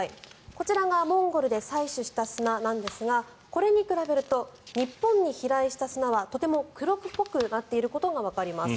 こちらがモンゴルで採取した砂なんですがこれに比べると日本に飛来した砂はとても黒っぽくなっていることがわかります。